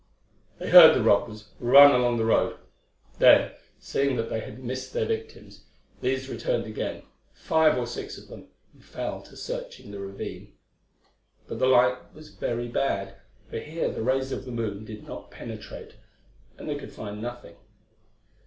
They heard the robbers run along the road; then, seeing that they had missed their victims, these returned again, five or six of them, and fell to searching the ravine. But the light was very bad, for here the rays of the moon did not penetrate, and they could find nothing.